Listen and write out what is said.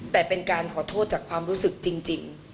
แต่เป็นการขอโทษจากความรู้สึกจริง